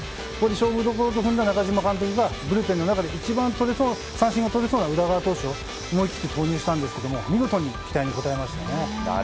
勝負どころと踏んだ中島監督がブルペンの中で一番三振をとれそうな投手を投入したんですが見事に期待に応えましたね。